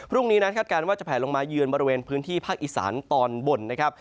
พรุ่งนี้นั้นคาดการณ์ว่าจะแผลลงมาเยือนบริเวณพื้นที่ภาคอีสานตอนบนนะครับ